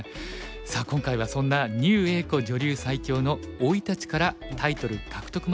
さあ今回はそんな牛栄子女流最強の生い立ちからタイトル獲得までを追ってみました。